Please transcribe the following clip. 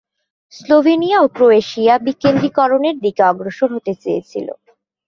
Slovenia ও Croatia বিকেন্দ্রীকরণের দিকে অগ্রসর হতে চেয়েছিল।